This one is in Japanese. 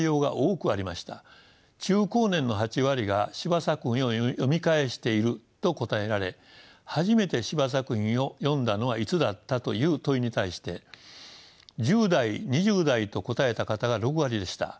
中高年の８割が「司馬作品を読み返している」と答えられ「初めて司馬作品を読んだのはいつだった」という問いに対して１０代２０代と答えた方が６割でした。